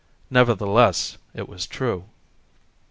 Nevertheless it was true.